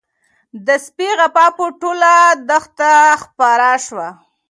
د سپي غپا په ټوله دښته کې خپره شوه.